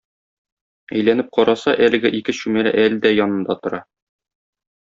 Әйләнеп караса, әлеге ике чүмәлә әле дә янында тора.